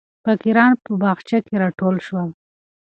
فقیران په باغچه کې راټول شول.